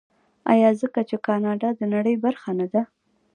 آیا ځکه چې کاناډا د نړۍ برخه نه ده؟